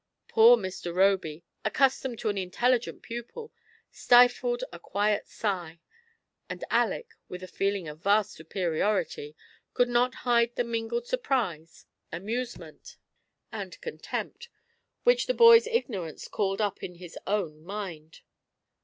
Poor Mr. Roby, accustomed to an intelligent pupil, stifled a quiet sigh ; and Aleck, with a feeling of vast superiority, could not hide the mingled surprise, amusement, and 22 FIRST IMPRESSIONS. conteiiij^t, Avhich the boy's ignorance called up in his own mind.